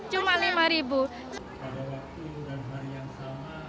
pada waktu dan hari yang sama